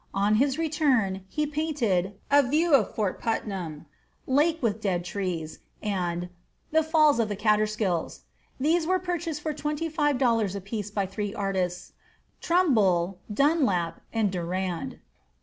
On his return, he painted "A View of Fort Putnam," "Lake with dead trees," and "The Falls of the Caterskills." These were purchased at twenty five dollars apiece by three artists, Trumbull, Dunlap, and Durand.